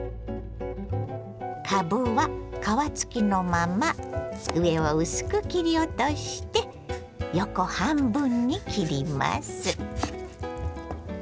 かぶは皮付きのまま上を薄く切り落として横半分に切ります。